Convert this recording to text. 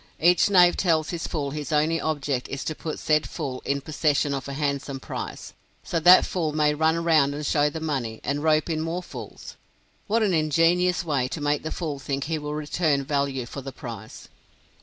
Each knave tells his fool his only object is to put said fool in possession of a handsome prize, so that fool may run round and show the money, and rope in more fools. What an ingenious way to make the fool think he will return value for the prize!